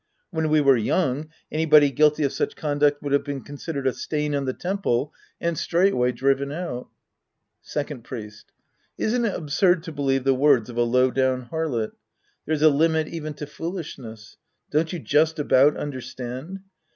When we were young, anybody guilty of such con duct would have been considered a stain on the temple and straightway driven out. Second Priest. Isn't it absurd to believe the words of a low down harlot ? There's a limit even to foolish ness. Don't you just about understand?